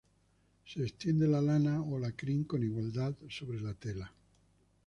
Se extiende la lana o la crin con igualdad sobre la tela.